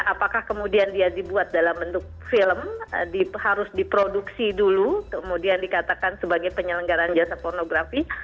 apakah kemudian dia dibuat dalam bentuk film harus diproduksi dulu kemudian dikatakan sebagai penyelenggaran jasa pornografi